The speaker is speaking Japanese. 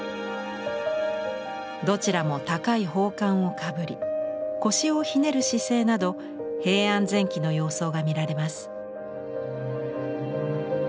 どちらも高い宝冠をかぶり腰をひねる姿勢など平安前期の様相が見られます。